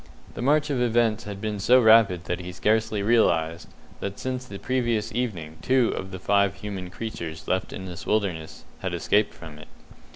The march of events had been so rapid that he scarcely realized that since the previous evening two of the five human creatures left in this wilderness had escaped from it.